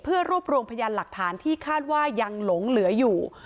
เพื่อรวบรวมพยานหลักฐานที่คาดว่ายังหลงเหลืออยู่